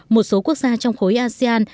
một số quốc gia trong khối asean